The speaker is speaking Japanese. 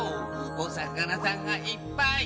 おさかなさんがいっぱい。